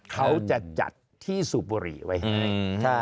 เขาจะจัดที่สูบบุหรี่ไว้ให้